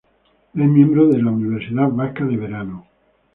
Es miembro de Universidad Vasca de Verano.